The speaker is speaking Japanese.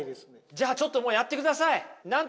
じゃあちょっともうやってください！